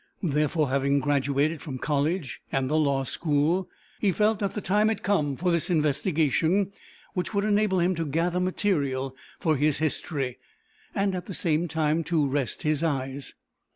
Therefore, having graduated from college and the law school, he felt that the time had come for this investigation, which would enable him to gather material for his history and at the same time to rest his eyes.